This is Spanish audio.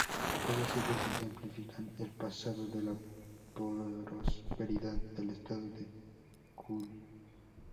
Todos ellos ejemplifican el pasado de la prosperidad del Estado de Qi.